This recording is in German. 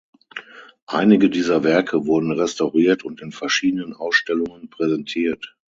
Einige dieser Werke wurden restauriert und in verschiedenen Ausstellungen präsentiert.